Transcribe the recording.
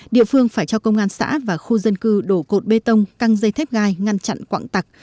địa phương phải cho công an xã và khu dân cư đổ cột bê tông căng dây thép gai ngăn chặn quảng tặc